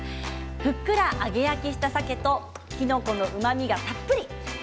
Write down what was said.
ふっくらして揚げ焼きしたさけときのこのうまみがたっぷりです。